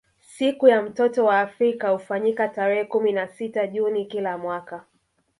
Siku ya mtoto wa Afrika hufanyika tarehe kumi na sita juni kila mwaka